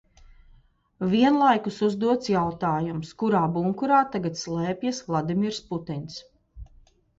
Vienlaikus uzdots jautājums, kurā bunkurā tagad slēpjas Vladimirs Putins.